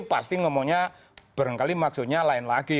pasti ngomongnya barangkali maksudnya lain lagi